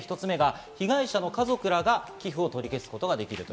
１つ目が被害者の家族らが寄付を取り消すことができる。